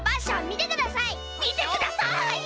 みてください！